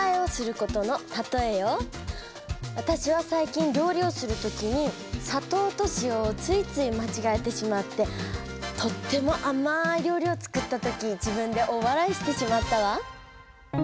わたしは最近料理をするときにさとうとしおをついついまちがえてしまってとってもあまい料理を作ったとき自分で大笑いしてしまったわ。